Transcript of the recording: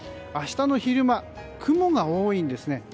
明日の昼間、雲が多いんです。